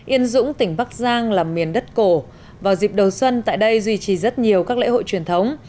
yên dũng tỉnh bắc giang là miền đất cổ vào dịp đầu xuân tại đây duy trì rất nhiều các lễ hội truyền thống